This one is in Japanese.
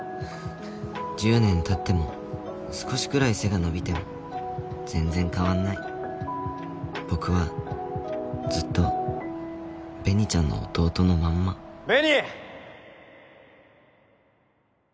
１０年たっても少しくらい背が伸びても全然変わんない僕はずっと紅ちゃんの弟のまんま・紅！